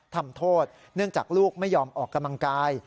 ทำโทษเนื่องจากลูกไม่ยอมออกกำลังกาย